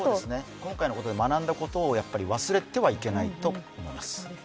今回のことで学んだことを忘れてはいけないと思います。